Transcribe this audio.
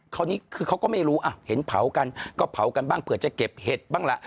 คราวนี้คือเขาก็ไม่รู้อ่ะเห็นเผากันก็เผากันบ้างเผื่อจะเก็บเห็ดบ้างล่ะ